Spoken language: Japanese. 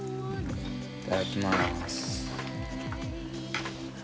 いただきます。